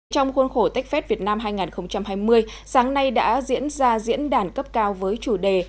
trong khuôn khổ techfest việt nam hai nghìn hai mươi sáng nay đã diễn ra diễn đàn cấp cao với chủ đề